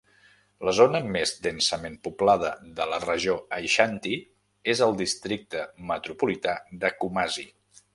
La zona més densament poblada de la regió Aixanti és el Districte Metropolità de Kumasi.